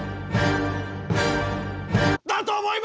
だと思います！